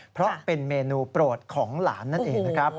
เพราะเป็นเมนูโปรดของหลานนั่นเองนะครับ